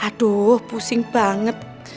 aduh pusing banget